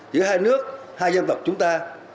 giữa hai nước hai dân tộc chúng ta